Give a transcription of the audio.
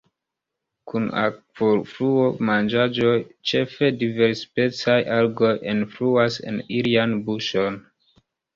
Kun akvofluo manĝaĵoj, ĉefe diversspecaj algoj, enfluas en ilian buŝon.